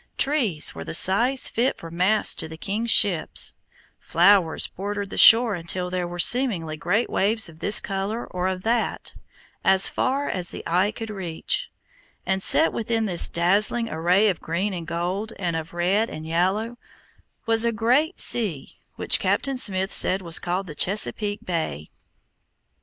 Trees there were of size fit for masts to the king's ships; flowers bordered the shore until there were seemingly great waves of this color, or of that, as far as eye could reach, and set within this dazzling array of green and gold, and of red and yellow, was a great sea, which Captain Smith said was called the Chesapeake Bay.